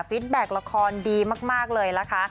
แบ็คละครดีมากเลยนะคะ